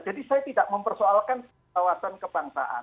jadi saya tidak mempersoalkan kawasan kebangsaan